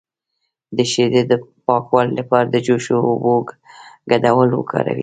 د شیدو د پاکوالي لپاره د جوش او اوبو ګډول وکاروئ